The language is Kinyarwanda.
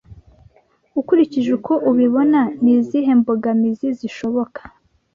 Ukurikije uko ubibona ni izihe mbogamizi zishoboka